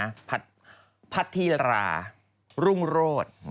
อาจจะภาษณีรารุ่นโรส